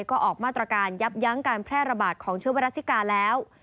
ก็ออกมาตรการยับยั้งการแพร่ระบาดของเชื้อไวรัสซิกาแล้ว